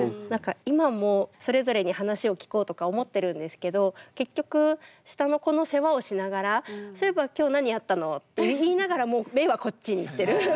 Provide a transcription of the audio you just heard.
なんか今もそれぞれに話を聞こうとか思ってるんですけど結局下の子の世話をしながら「そういえば今日何やったの？」って言いながらも目はこっちに行ってる。